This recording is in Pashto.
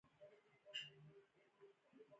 د ریاضي او لیک ترمنځ اړیکه پیاوړې شوه.